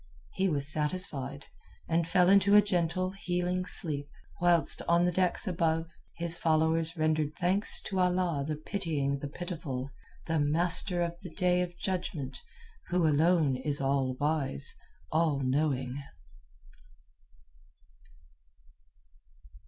He was satisfied, and fell into a gentle healing sleep, whilst, on the decks above, his followers rendered thanks to Allah the Pitying the Pitiful, the Master of the Day of Judgment, who Alone is All Wise, All Knowing.